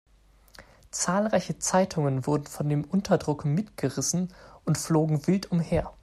Zahlreiche Zeitungen wurden von dem Unterdruck mitgerissen und flogen wild umher.